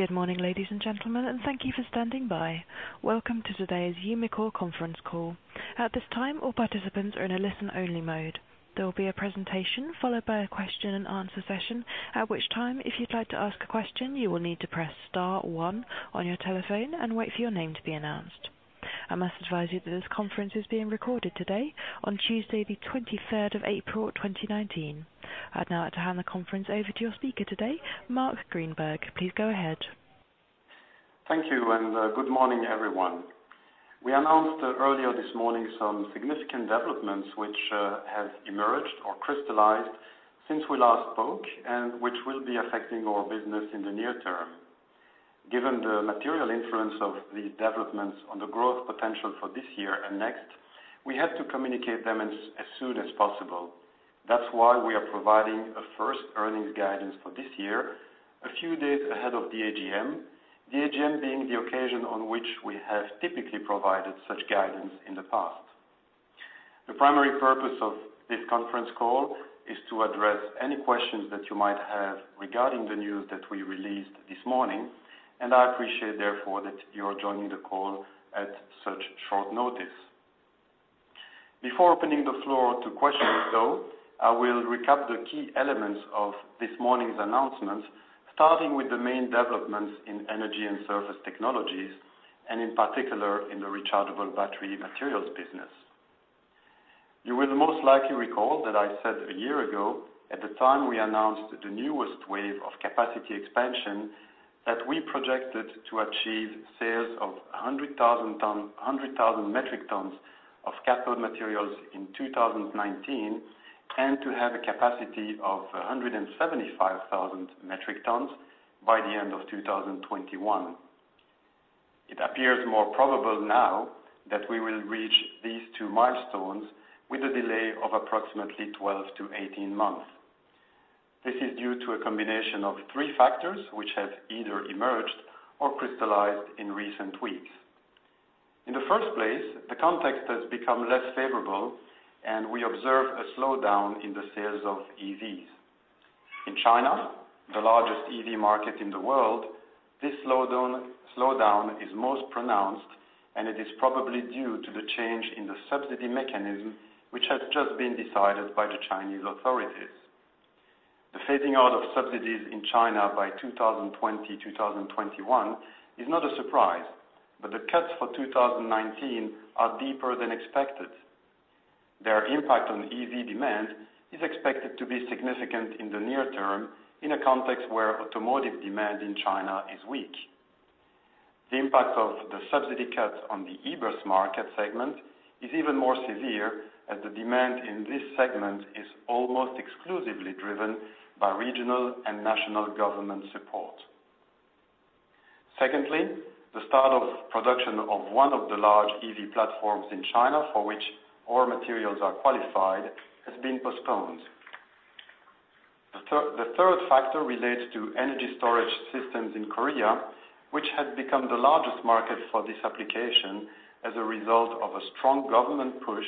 Good morning, ladies and gentlemen, thank you for standing by. Welcome to today's Umicore conference call. At this time, all participants are in a listen-only mode. There will be a presentation followed by a question and answer session, at which time, if you'd like to ask a question, you will need to press star one on your telephone and wait for your name to be announced. I must advise you that this conference is being recorded today, on Tuesday, the 23rd of April, 2019. I'd now like to hand the conference over to your speaker today, Marc Grynberg. Please go ahead. Thank you, good morning, everyone. We announced earlier this morning some significant developments which have emerged or crystallized since we last spoke and which will be affecting our business in the near term. Given the material influence of these developments on the growth potential for this year and next, we had to communicate them as soon as possible. That's why we are providing a first earnings guidance for this year, a few days ahead of the AGM. The AGM being the occasion on which we have typically provided such guidance in the past. The primary purpose of this conference call is to address any questions that you might have regarding the news that we released this morning. I appreciate therefore, that you are joining the call at such short notice. Before opening the floor to questions, though, I will recap the key elements of this morning's announcements, starting with the main developments in Energy & Surface Technologies, and in particular in the rechargeable battery materials business. You will most likely recall that I said a year ago, at the time we announced the newest wave of capacity expansion, that we projected to achieve sales of 100,000 metric tons of cathode materials in 2019, and to have a capacity of 175,000 metric tons by the end of 2021. It appears more probable now that we will reach these two milestones with a delay of approximately 12 to 18 months. This is due to a combination of three factors which have either emerged or crystallized in recent weeks. In the first place, the context has become less favorable. We observe a slowdown in the sales of EVs. In China, the largest EV market in the world, this slowdown is most pronounced. It is probably due to the change in the subsidy mechanism, which has just been decided by the Chinese authorities. The phasing out of subsidies in China by 2020, 2021 is not a surprise. The cuts for 2019 are deeper than expected. Their impact on EV demand is expected to be significant in the near term in a context where automotive demand in China is weak. The impact of the subsidy cuts on the e-bus market segment is even more severe, as the demand in this segment is almost exclusively driven by regional and national government support. Secondly, the start of production of one of the large EV platforms in China, for which our materials are qualified, has been postponed. The third factor relates to energy storage systems in Korea, which had become the largest market for this application as a result of a strong government push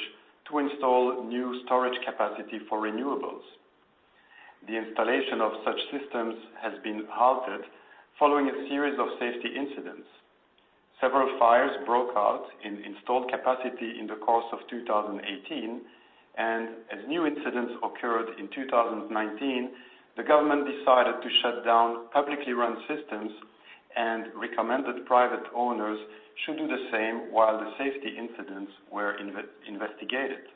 to install new storage capacity for renewables. The installation of such systems has been halted following a series of safety incidents. Several fires broke out in installed capacity in the course of 2018, and as new incidents occurred in 2019, the government decided to shut down publicly run systems and recommended private owners should do the same while the safety incidents were investigated.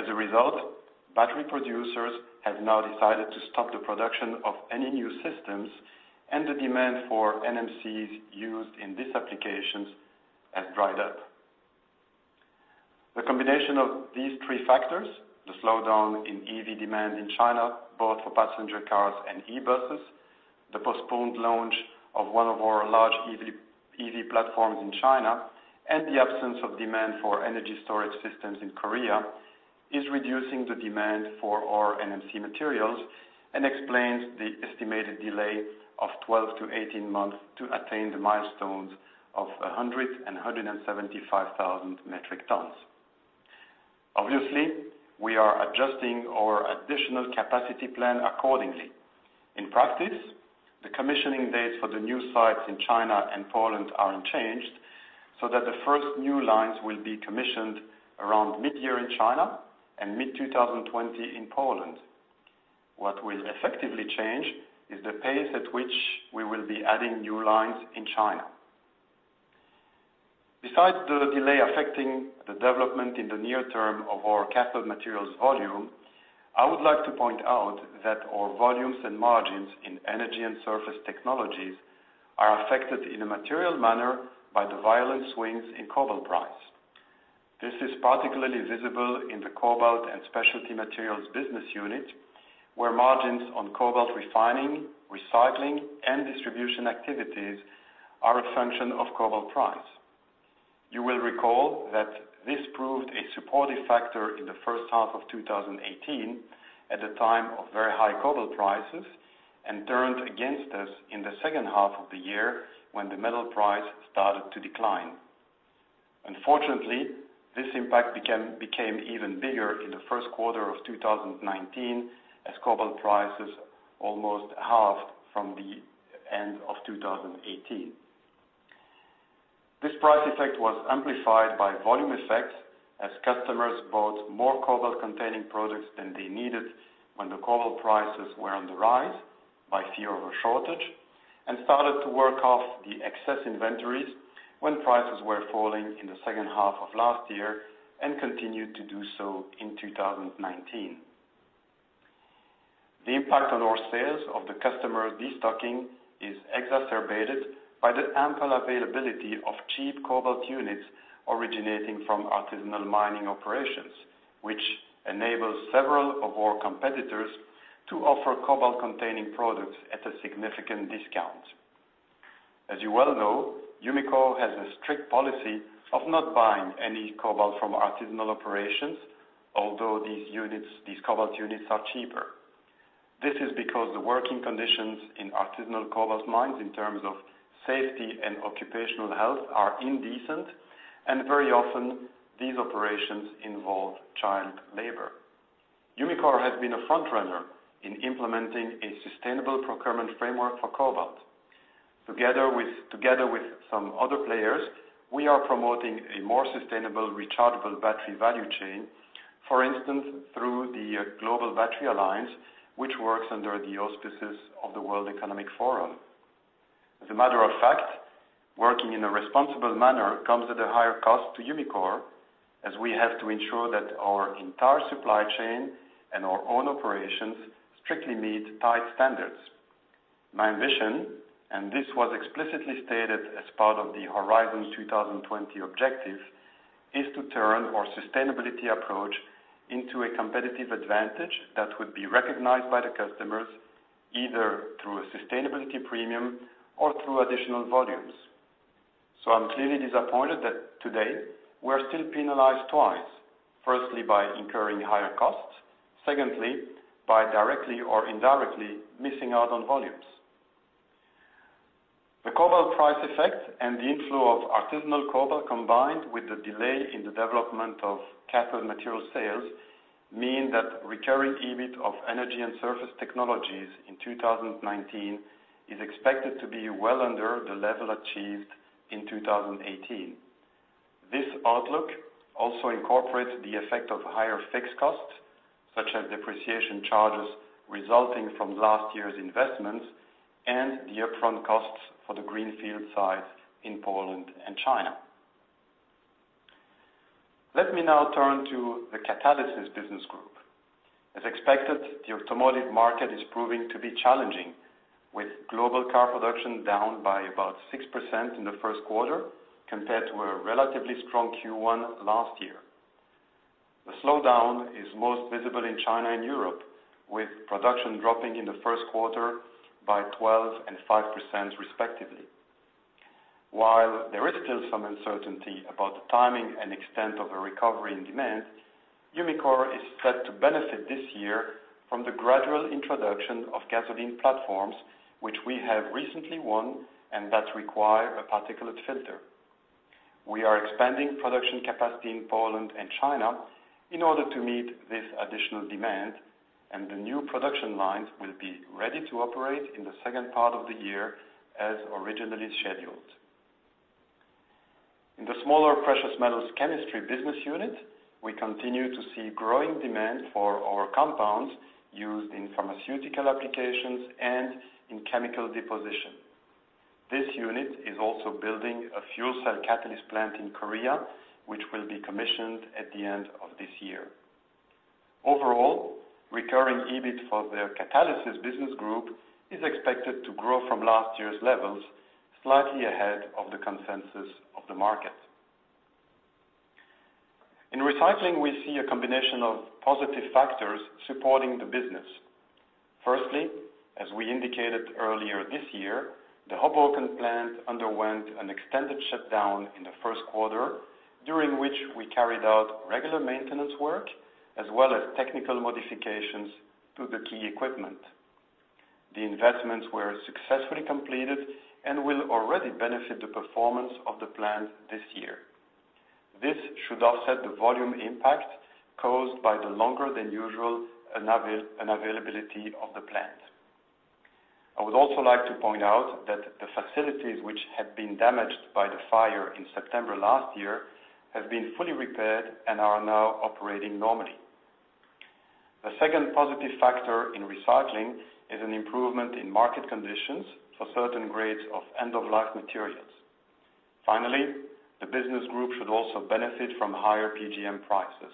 As a result, battery producers have now decided to stop the production of any new systems, and the demand for NMCs used in these applications has dried up. The combination of these three factors, the slowdown in EV demand in China, both for passenger cars and e-buses, the postponed launch of one of our large EV platforms in China, and the absence of demand for energy storage systems in Korea, is reducing the demand for our NMC materials and explains the estimated delay of 12-18 months to attain the milestones of 100,000 and 175,000 metric tons. Obviously, we are adjusting our additional capacity plan accordingly. In practice, the commissioning dates for the new sites in China and Poland are unchanged, so that the first new lines will be commissioned around mid-year in China and mid-2020 in Poland. What will effectively change is the pace at which we will be adding new lines in China. Besides the delay affecting the development in the near term of our cathode materials volume, I would like to point out that our volumes and margins in Energy & Surface Technologies are affected in a material manner by the violent swings in cobalt price. This is particularly visible in the Cobalt & Specialty Materials business unit, where margins on cobalt refining, recycling, and distribution activities are a function of cobalt price. You will recall that this proved a supportive factor in the first half of 2018, at a time of very high cobalt prices, and turned against us in the second half of the year when the metal price started to decline. Unfortunately, this impact became even bigger in the first quarter of 2019 as cobalt prices almost halved from the end of 2018. This price effect was amplified by volume effects as customers bought more cobalt-containing products than they needed when the cobalt prices were on the rise, by fear of a shortage, and started to work off the excess inventories when prices were falling in the second half of last year and continued to do so in 2019. The impact on our sales of the customer destocking is exacerbated by the ample availability of cheap cobalt units originating from artisanal mining operations, which enables several of our competitors to offer cobalt-containing products at a significant discount. As you well know, Umicore has a strict policy of not buying any cobalt from artisanal operations, although these cobalt units are cheaper. This is because the working conditions in artisanal cobalt mines in terms of safety and occupational health are indecent, and very often, these operations involve child labor. Umicore has been a frontrunner in implementing a sustainable procurement framework for cobalt. Together with some other players, we are promoting a more sustainable rechargeable battery value chain. For instance, through the Global Battery Alliance, which works under the auspices of the World Economic Forum. As a matter of fact, working in a responsible manner comes at a higher cost to Umicore as we have to ensure that our entire supply chain and our own operations strictly meet tight standards. My ambition, and this was explicitly stated as part of the Horizon 2020 objective, is to turn our sustainability approach into a competitive advantage that would be recognized by the customers, either through a sustainability premium or through additional volumes. I am clearly disappointed that today we are still penalized twice. By incurring higher costs, by directly or indirectly missing out on volumes. The cobalt price effect and the inflow of artisanal cobalt, combined with the delay in the development of cathode material sales, mean that recurring EBIT of Energy & Surface Technologies in 2019 is expected to be well under the level achieved in 2018. This outlook also incorporates the effect of higher fixed costs, such as depreciation charges resulting from last year's investments and the upfront costs for the greenfield site in Poland and China. Let me now turn to the Catalysis business group. As expected, the automotive market is proving to be challenging, with global car production down by about 6% in the first quarter compared to a relatively strong Q1 last year. The slowdown is most visible in China and Europe, with production dropping in the first quarter by 12% and 5% respectively. While there is still some uncertainty about the timing and extent of a recovery in demand, Umicore is set to benefit this year from the gradual introduction of gasoline platforms, which we have recently won and that require a particulate filter. We are expanding production capacity in Poland and China in order to meet this additional demand, and the new production lines will be ready to operate in the second part of the year as originally scheduled. In the smaller Precious Metals Chemistry business unit, we continue to see growing demand for our compounds used in pharmaceutical applications and in chemical deposition. This unit is also building a fuel cell catalyst plant in Korea, which will be commissioned at the end of this year. Overall, recurring EBIT for the Catalysis business group is expected to grow from last year's levels, slightly ahead of the consensus of the market. In Recycling, we see a combination of positive factors supporting the business. As we indicated earlier this year, the Hoboken plant underwent an extended shutdown in the first quarter, during which we carried out regular maintenance work as well as technical modifications to the key equipment. The investments were successfully completed and will already benefit the performance of the plant this year. This should offset the volume impact caused by the longer than usual unavailability of the plant. I would also like to point out that the facilities which had been damaged by the fire in September last year have been fully repaired and are now operating normally. The second positive factor in Recycling is an improvement in market conditions for certain grades of end-of-life materials. Finally, the business group should also benefit from higher PGM prices.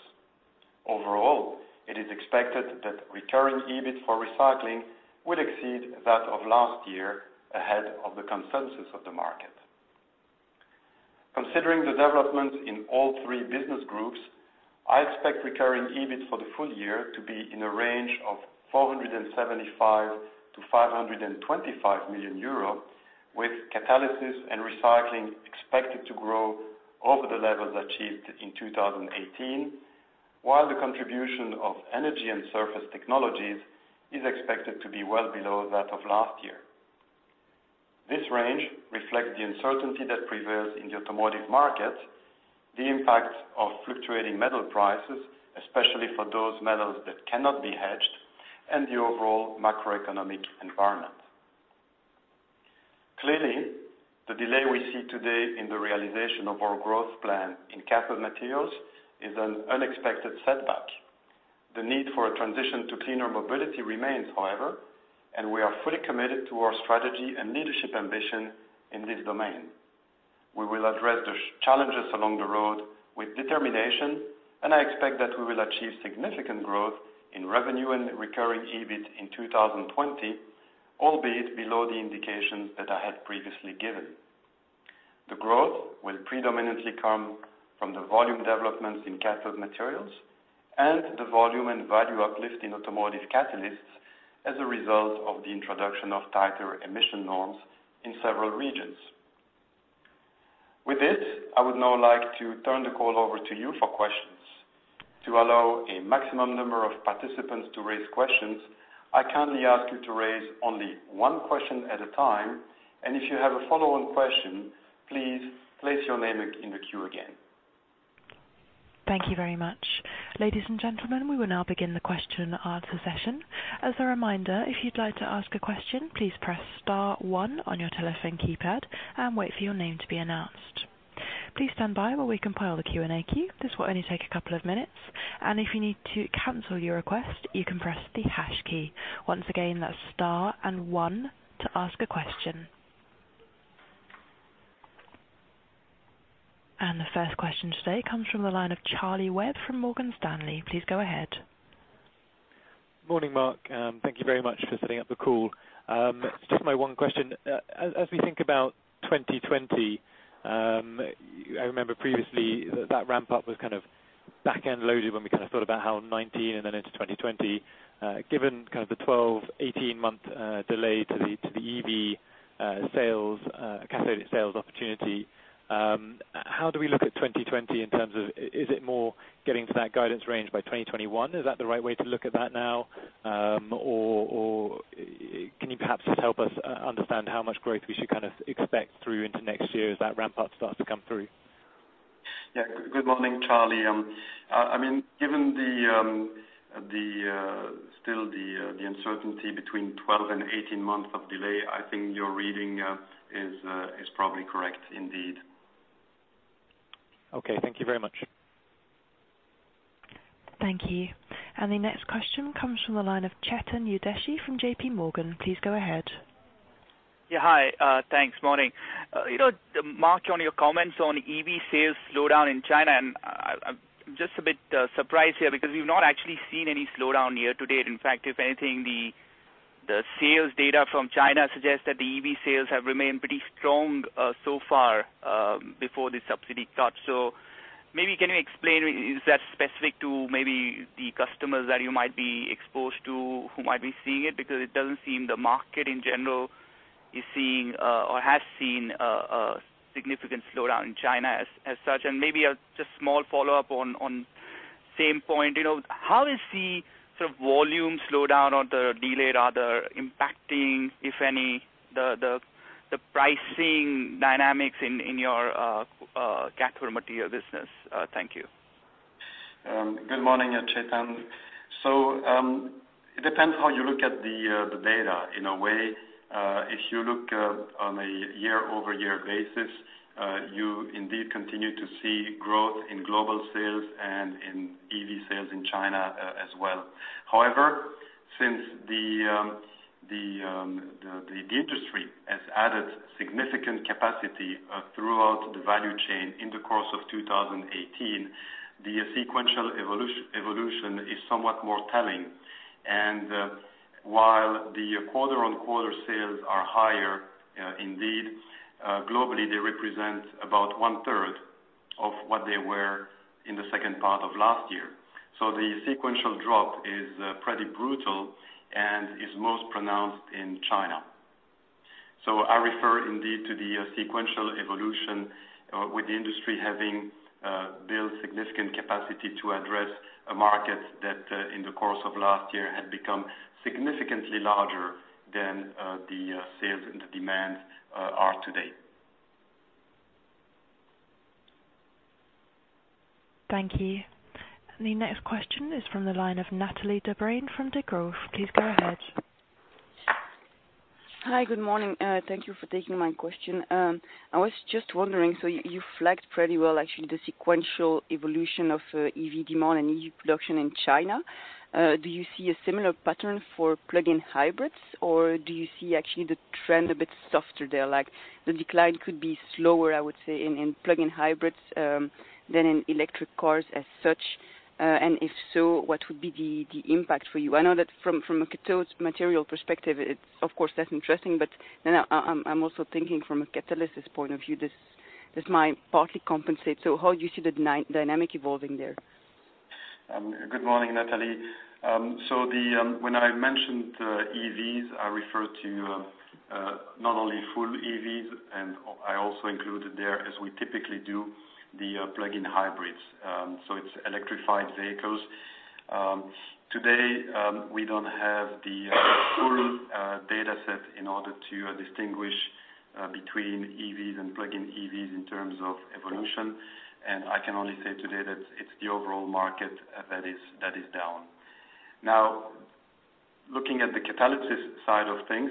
Overall, it is expected that recurring EBIT for Recycling will exceed that of last year, ahead of the consensus of the market. Considering the developments in all three business groups, I expect recurring EBIT for the full year to be in a range of 475 to 525 million euro, with Catalysis and Recycling expected to grow over the levels achieved in 2018, while the contribution of Energy & Surface Technologies is expected to be well below that of last year. This range reflects the uncertainty that prevails in the automotive market, the impact of fluctuating metal prices, especially for those metals that cannot be hedged, and the overall macroeconomic environment. The delay we see today in the realization of our growth plan in cathode materials is an unexpected setback. The need for a transition to cleaner mobility remains, however, and we are fully committed to our strategy and leadership ambition in this domain. We will address the challenges along the road with determination, and I expect that we will achieve significant growth in revenue and recurring EBIT in 2020, albeit below the indications that I had previously given. The growth will predominantly come from the volume developments in cathode materials and the volume and value uplift in automotive catalysts as a result of the introduction of tighter emission norms in several regions. I would now like to turn the call over to you for questions. To allow a maximum number of participants to raise questions, I kindly ask you to raise only one question at a time, and if you have a follow-on question, please place your name in the queue again. Thank you very much. Ladies and gentlemen, we will now begin the question answer session. As a reminder, if you'd like to ask a question, please press star one on your telephone keypad and wait for your name to be announced. Please stand by while we compile the Q&A queue. This will only take a couple of minutes. If you need to cancel your request, you can press the hash key. Once again, that's star and one to ask a question. The first question today comes from the line of Charlie Webb from Morgan Stanley. Please go ahead. Morning, Marc. Thank you very much for setting up the call. Just my one question. As we think about 2020, I remember previously that ramp up was kind of back-end loaded when we thought about how 2019 and then into 2020. Given kind of the 12, 18 month delay to the EV cathode sales opportunity, how do we look at 2020 in terms of, is it more getting to that guidance range by 2021? Is that the right way to look at that now? Can you perhaps just help us understand how much growth we should kind of expect through into next year as that ramp up starts to come through? Yeah. Good morning, Charlie. Given still the uncertainty between 12 and 18 months of delay, I think your reading is probably correct indeed. Okay. Thank you very much. Thank you. The next question comes from the line of Chetan Udeshi from JPMorgan. Please go ahead. Yeah, hi. Thanks. Morning. Marc, on your comments on EV sales slowdown in China, I'm just a bit surprised here because we've not actually seen any slowdown year-to-date. In fact, if anything, the sales data from China suggests that the EV sales have remained pretty strong so far before the subsidy cuts. Maybe can you explain, is that specific to maybe the customers that you might be exposed to who might be seeing it? Because it doesn't seem the market in general is seeing or has seen a significant slowdown in China as such. Maybe a just small follow-up on same point. How is the sort of volume slowdown or the delay rather impacting, if any, the pricing dynamics in your cathode material business? Thank you. Good morning, Chetan. It depends how you look at the data. In a way, if you look on a year-over-year basis, you indeed continue to see growth in global sales and in EV sales in China as well. However, since the industry has added significant capacity throughout the value chain in the course of 2018, the sequential evolution is somewhat more telling. While the quarter-on-quarter sales are higher, indeed, globally, they represent about one third of what they were in the second part of last year. The sequential drop is pretty brutal and is most pronounced in China. I refer indeed to the sequential evolution with the industry having built significant capacity to address a market that in the course of last year had become significantly larger than the sales and the demands are today. Thank you. The next question is from the line of Nathalie Debruyne from Degroof. Please go ahead. Hi. Good morning. Thank you for taking my question. I was just wondering, you flagged pretty well actually the sequential evolution of EV demand and EV production in China. Do you see a similar pattern for plug-in hybrids, or do you see actually the trend a bit softer there? Like the decline could be slower, I would say, in plug-in hybrids than in electric cars as such. If so, what would be the impact for you? I know that from a cathode material perspective, of course that's interesting, but then I'm also thinking from a catalyst point of view, this might partly compensate. How do you see the dynamic evolving there? Good morning, Nathalie. When I mentioned EVs, I refer to not only full EV, I also included there, as we typically do, the plug-in hybrids. It's electrified vehicles. Today, we don't have the full data set in order to distinguish between EVs and plug-in EVs in terms of evolution. I can only say today that it's the overall market that is down. Now, looking at the catalyst side of things,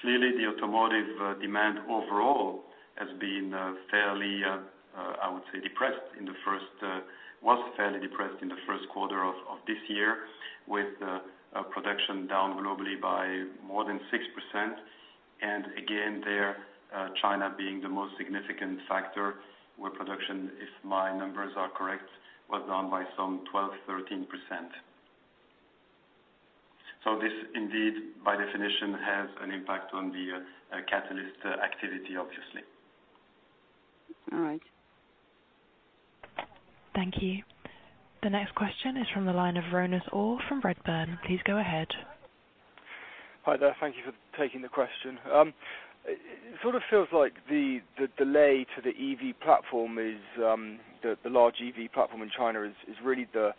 clearly the automotive demand overall has been fairly, I would say, depressed in the first quarter of this year with production down globally by more than 6%. Again, there, China being the most significant factor, where production, if my numbers are correct, was down by some 12%, 13%. This indeed, by definition, has an impact on the catalyst activity, obviously. All right. Thank you. The next question is from the line of Ranulf Orr from Redburn. Please go ahead. Hi there. Thank you for taking the question. It sort of feels like the delay to the EV platform is, the large EV platform in China, is really the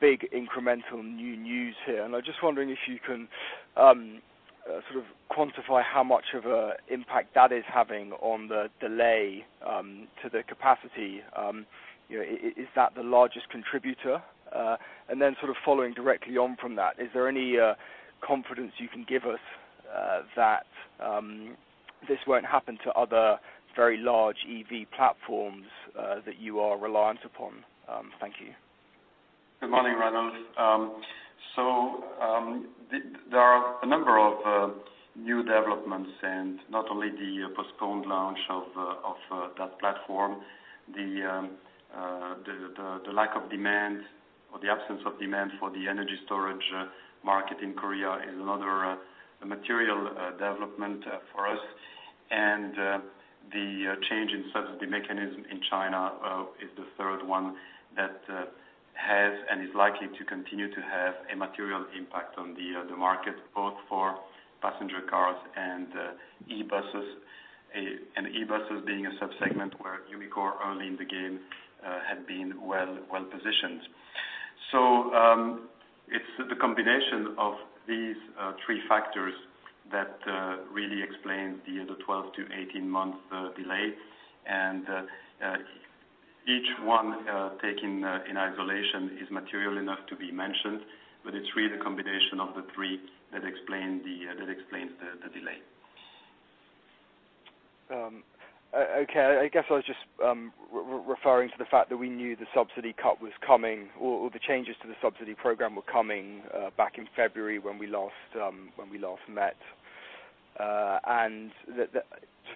big incremental new news here. I just wondering if you can sort of quantify how much of an impact that is having on the delay to the capacity. Is that the largest contributor? Then sort of following directly on from that, is there any confidence you can give us that this won't happen to other very large EV platforms that you are reliant upon? Thank you. Good morning, Ranulf. There are a number of new developments, not only the postponed launch of that platform. The lack of demand or the absence of demand for the energy storage market in Korea is another material development for us. The change in subsidy mechanism in China is the third one that has and is likely to continue to have a material impact on the market, both for passenger cars and e-buses. E-buses being a sub-segment where Umicore early in the game had been well positioned. It's the combination of these three factors that really explain the 12-18 months delay. Each one taken in isolation is material enough to be mentioned. It's really the combination of the three that explains the delay. Okay. I guess I was just referring to the fact that we knew the subsidy cut was coming, or the changes to the subsidy program were coming, back in February when we last met.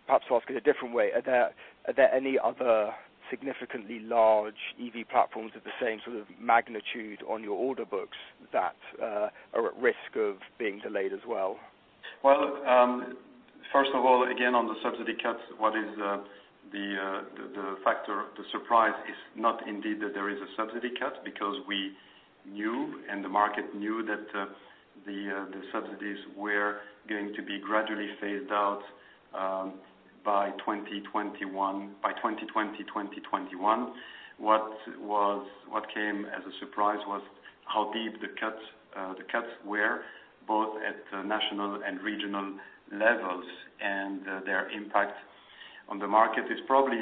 Perhaps to ask in a different way, are there any other significantly large EV platforms of the same sort of magnitude on your order books that are at risk of being delayed as well? Well, first of all, again, on the subsidy cuts, what is the factor? The surprise is not indeed that there is a subsidy cut because we knew, and the market knew, that the subsidies were going to be gradually phased out by 2020, 2021. What came as a surprise was how deep the cuts were, both at national and regional levels. Their impact on the market is probably,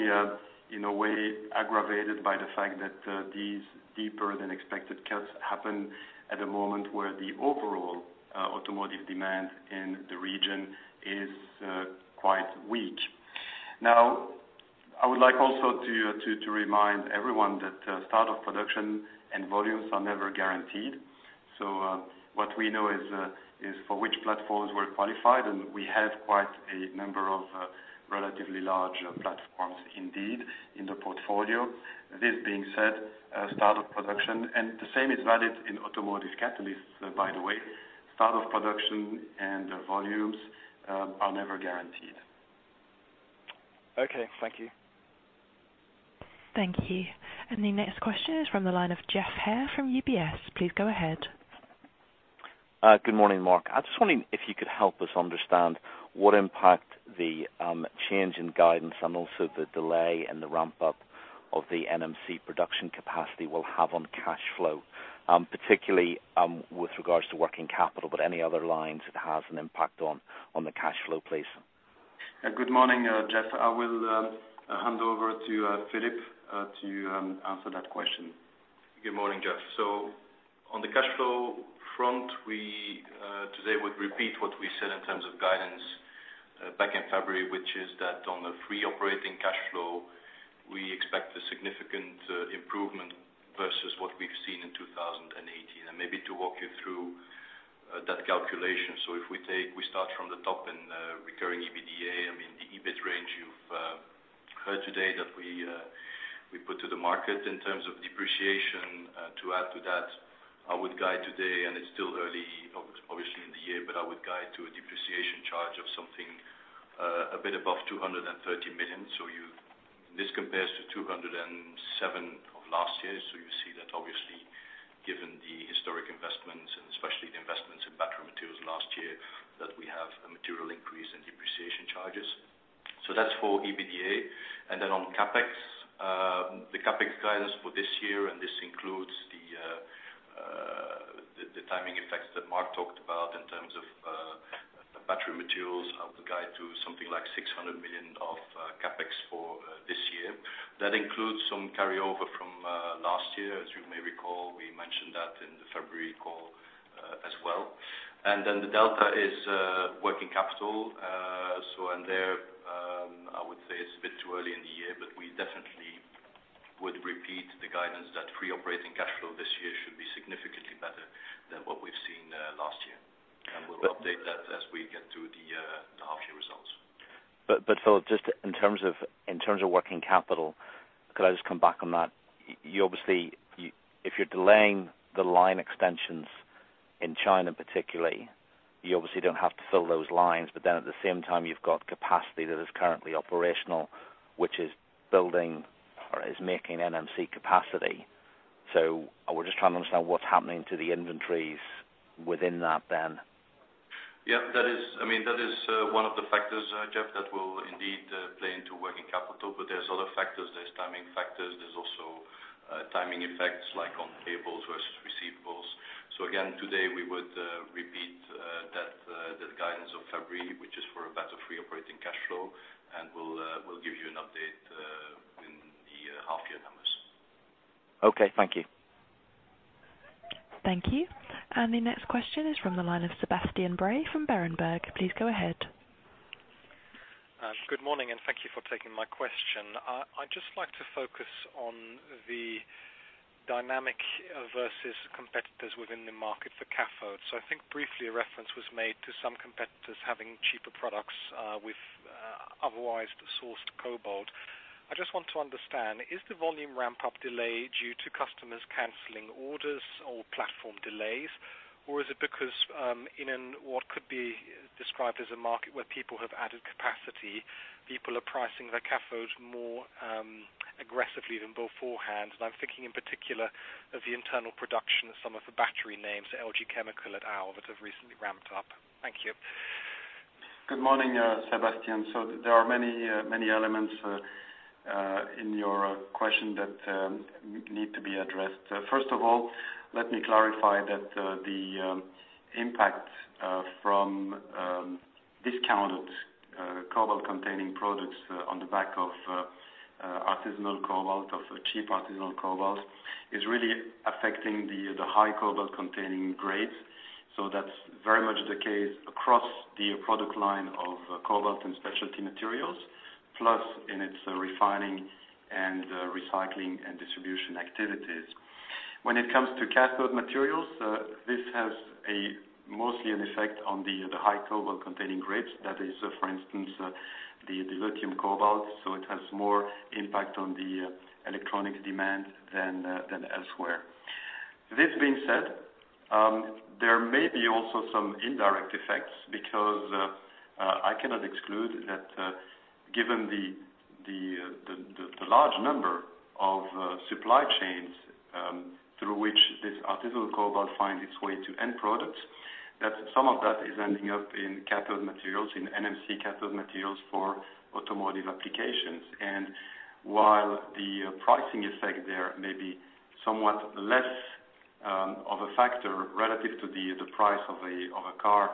in a way, aggravated by the fact that these deeper than expected cuts happen at a moment where the overall automotive demand in the region is quite weak. I would like also to remind everyone that start of production and volumes are never guaranteed. What we know is for which platforms we're qualified, and we have quite a number of relatively large platforms indeed in the portfolio. This being said, start of production, and the same is valid in automotive catalysts, by the way, start of production and volumes are never guaranteed. Okay. Thank you. Thank you. The next question is from the line of Geoff Haire from UBS. Please go ahead. Good morning, Marc. I was just wondering if you could help us understand what impact the change in guidance and also the delay in the ramp-up of the NMC production capacity will have on cash flow, particularly with regards to working capital, but any other lines it has an impact on the cash flow, please. Good morning, Jeff. I will hand over to Filip to answer that question. Good morning, Jeff. On the cash flow front, we today would repeat what we said in terms of guidance back in February, which is that on the free operating cash flow, we expect a significant improvement versus what we've seen in 2018. Maybe to walk you through that calculation. If we start from the top in recurring EBITDA, I mean, the EBIT range you've heard today that we put to the market in terms of depreciation, to add to that, I would guide today, and it's still early, obviously, in the year, but I would guide to a depreciation charge of something a bit above 230 million. This compares to 207 of last year. You see that obviously, given the historic investments and especially here that we have a material increase in depreciation charges. That's for EBITDA. On CapEx, the CapEx guidance for this year, and this includes the timing effects that Marc talked about in terms of battery materials, have the guide to something like 600 million of CapEx for this year. That includes some carryover from last year. As you may recall, we mentioned that in the February call as well. The delta is working capital. In there, I would say it's a bit too early in the year, but we definitely would repeat the guidance that free operating cash flow this year should be significantly better than what we've seen last year. We'll update that as we get to the half year results. Filip, just in terms of working capital, could I just come back on that? If you're delaying the line extensions in China particularly, you obviously don't have to fill those lines, but at the same time you've got capacity that is currently operational, which is building or is making NMC capacity. I was just trying to understand what's happening to the inventories within that then. That is one of the factors, Geoff, that will indeed play into working capital, there's other factors. There's timing factors. There's also timing effects like on payables versus receivables. Again, today we would repeat that guidance of February, which is for a better free operating cash flow, and we'll give you an update in the half year numbers. Thank you. Thank you. The next question is from the line of Sebastian Bray from Berenberg. Please go ahead. Good morning, thank you for taking my question. I'd just like to focus on the dynamic versus competitors within the market for cathodes. I think briefly a reference was made to some competitors having cheaper products with otherwise sourced cobalt. I just want to understand, is the volume ramp-up delayed due to customers canceling orders or platform delays, or is it because, in what could be described as a market where people have added capacity, people are pricing their cathodes more aggressively than beforehand? I'm thinking in particular of the internal production of some of the battery names, LG Chem at Aalborg, that have recently ramped up. Thank you. Good morning, Sebastian. There are many elements in your question that need to be addressed. First of all, let me clarify that the impact from discounted cobalt-containing products on the back of artisanal cobalt, of cheap artisanal cobalt, is really affecting the high cobalt-containing grades, so that's very much the case across the product line of Cobalt & Specialty Materials, plus in its refining and recycling and distribution activities. When it comes to cathode materials, this has mostly an effect on the high cobalt-containing grades, that is, for instance, the lithium cobalt, so it has more impact on the electronic demand than elsewhere. This being said, there may be also some indirect effects because I cannot exclude that given the large number of supply chains through which this artisanal cobalt find its way to end products, that some of that is ending up in cathode materials, in NMC cathode materials for automotive applications. While the pricing effect there may be somewhat less of a factor relative to the price of a car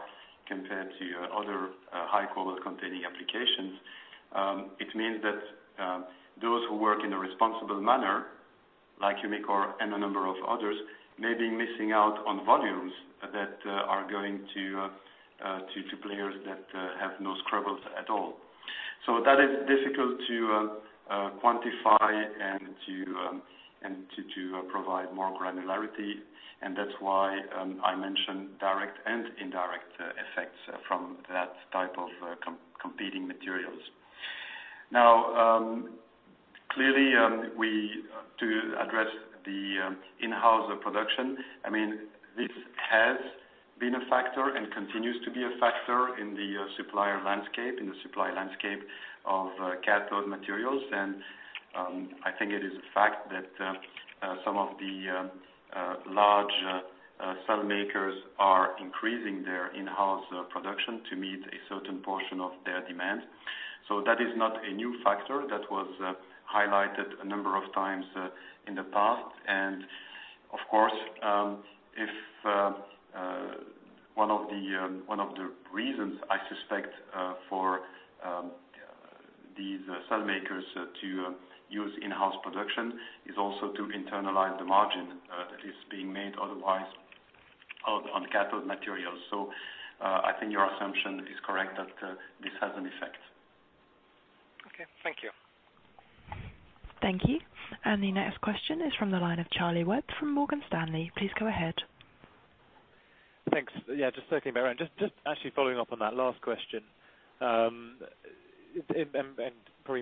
compared to other high cobalt-containing applications, it means that those who work in a responsible manner, like Umicore and a number of others, may be missing out on volumes that are going to players that have no scruples at all. That is difficult to quantify and to provide more granularity, and that's why I mention direct and indirect effects from that type of competing materials. Clearly, to address the in-house production, this has been a factor and continues to be a factor in the supplier landscape, in the supply landscape of cathode materials. I think it is a fact that some of the large cell makers are increasing their in-house production to meet a certain portion of their demand. That is not a new factor. That was highlighted a number of times in the past. Of course, one of the reasons I suspect for these cell makers to use in-house production is also to internalize the margin that is being made otherwise out on cathode materials. I think your assumption is correct that this has an effect. Okay. Thank you. Thank you. The next question is from the line of Charlie Webb from Morgan Stanley. Please go ahead. Thanks. Just circling back around. Just actually following up on that last question, probably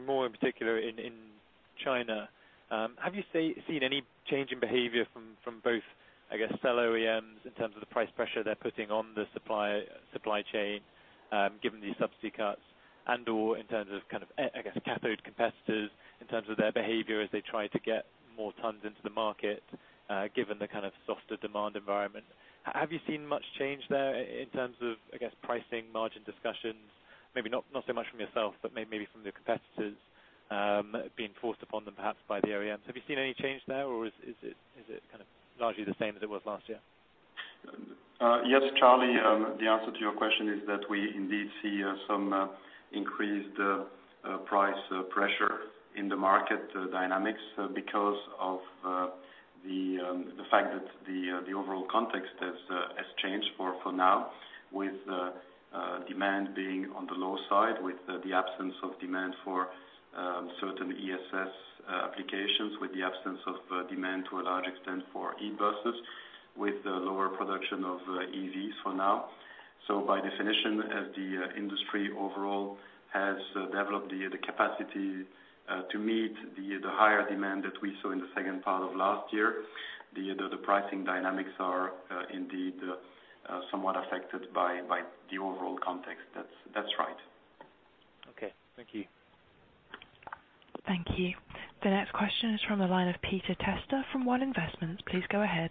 more in particular in China, have you seen any change in behavior from both, I guess cell OEMs in terms of the price pressure they're putting on the supply chain, given these subsidy cuts, and/or in terms of cathode competitors in terms of their behavior as they try to get more tons into the market, given the kind of softer demand environment? Have you seen much change there in terms of, I guess, pricing, margin discussions? Maybe not so much from yourself, but maybe from the competitors, being forced upon them, perhaps by the OEMs. Have you seen any change there, or is it kind of largely the same as it was last year? Yes, Charlie, the answer to your question is that we indeed see some increased price pressure in the market dynamics because of the fact that the overall context has changed for now, with demand being on the low side, with the absence of demand for certain ESS applications, with the absence of demand, to a large extent, for e-buses, with the lower production of EVs for now. By definition, as the industry overall has developed the capacity to meet the higher demand that we saw in the second part of last year, the pricing dynamics are indeed somewhat affected by the overall context. That's right. Okay. Thank you. Thank you. The next question is from the line of Peter Testa from One Investments. Please go ahead.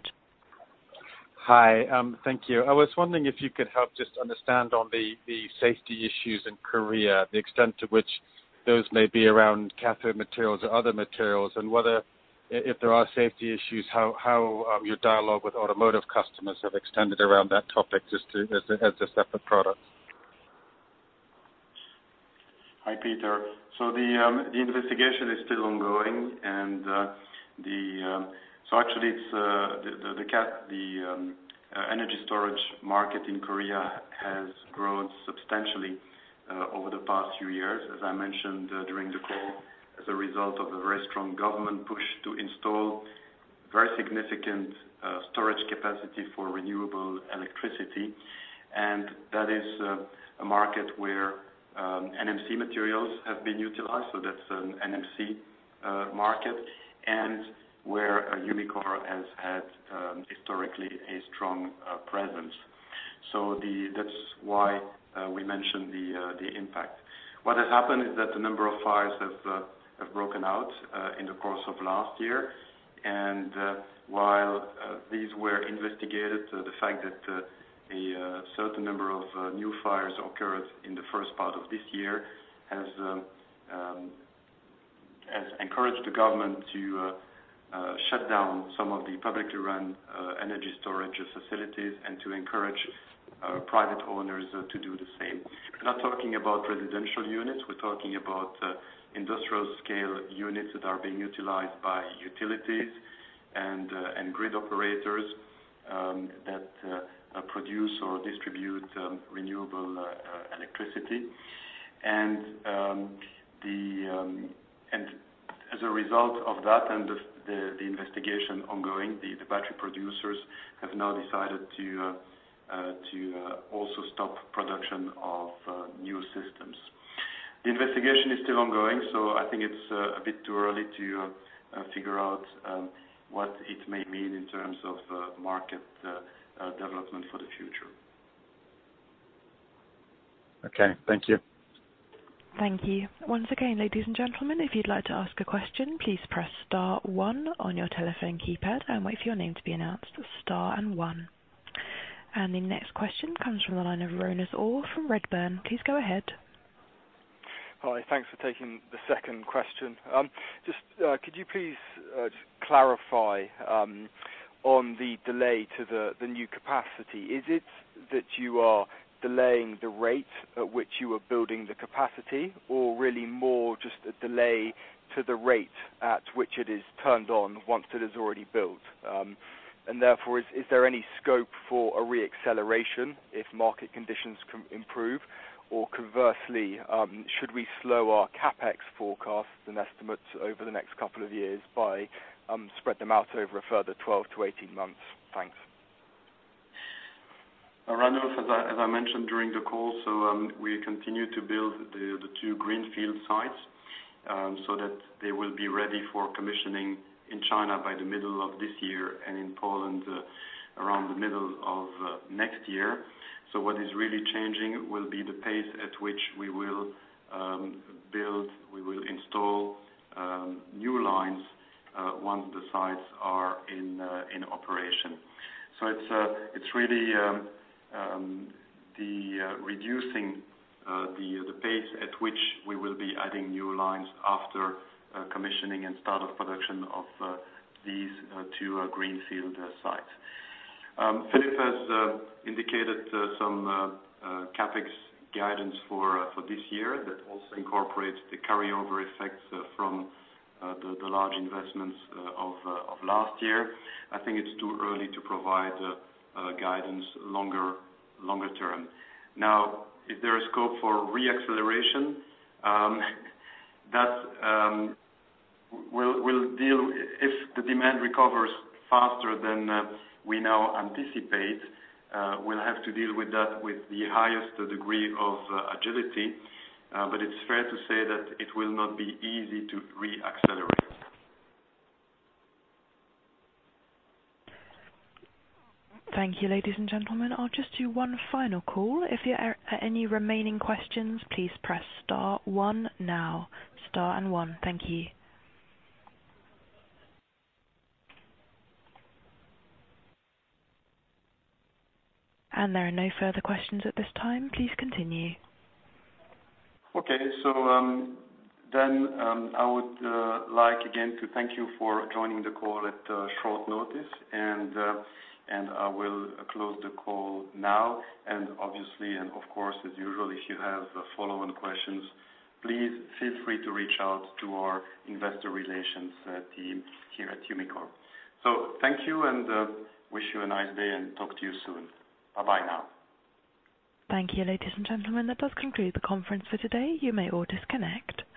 Hi. Thank you. I was wondering if you could help just understand on the safety issues in Korea, the extent to which those may be around cathode materials or other materials, and whether if there are safety issues, how your dialogue with automotive customers have extended around that topic just as a separate product. Hi, Peter. The investigation is still ongoing. Actually, the energy storage market in Korea has grown substantially over the past few years, as I mentioned during the call, as a result of a very strong government push to install very significant storage capacity for renewable electricity. That is a market where NMC materials have been utilized, that's an NMC market, and where Umicore has had historically a strong presence. That's why we mentioned the impact. What has happened is that a number of fires have broken out in the course of last year. While these were investigated, the fact that a certain number of new fires occurred in the first part of this year has encouraged the government to shut down some of the publicly run energy storage facilities and to encourage private owners to do the same. We're not talking about residential units. We're talking about industrial scale units that are being utilized by utilities and grid operators that produce or distribute renewable electricity. As a result of that and the investigation ongoing, the battery producers have now decided to also stop production of new systems. The investigation is still ongoing. I think it's a bit too early to figure out what it may mean in terms of market development for the future. Okay. Thank you. Thank you. Once again, ladies and gentlemen, if you'd like to ask a question, please press star one on your telephone keypad and wait for your name to be announced. Star and one. The next question comes from the line of Ranulf Orr from Redburn. Please go ahead. Hi. Thanks for taking the second question. Just could you please clarify on the delay to the new capacity, is it that you are delaying the rate at which you are building the capacity or really more just a delay to the rate at which it is turned on once it is already built? Therefore, is there any scope for a re-acceleration if market conditions improve, or conversely, should we slow our CapEx forecast and estimates over the next couple of years by spread them out over a further 12 to 18 months? Thanks. Ranulf, as I mentioned during the call, we continue to build the two greenfield sites that they will be ready for commissioning in China by the middle of this year and in Poland around the middle of next year. What is really changing will be the pace at which we will build, we will install new lines, once the sites are in operation. It's really the reducing the pace at which we will be adding new lines after commissioning and start of production of these two greenfield sites. Philippe has indicated some CapEx guidance for this year that also incorporates the carryover effects from the large investments of last year. I think it's too early to provide guidance longer term. Is there a scope for re-acceleration? If the demand recovers faster than we now anticipate, we'll have to deal with that with the highest degree of agility, it's fair to say that it will not be easy to re-accelerate. Thank you, ladies and gentlemen. I'll just do one final call. If there are any remaining questions, please press star one now. Star and one. Thank you. There are no further questions at this time. Please continue. Okay. I would like again to thank you for joining the call at short notice, and I will close the call now. Obviously, and of course, as usual, if you have follow-on questions, please feel free to reach out to our investor relations team here at Umicore. Thank you and wish you a nice day, and talk to you soon. Bye now. Thank you, ladies and gentlemen. That does conclude the conference for today. You may all disconnect.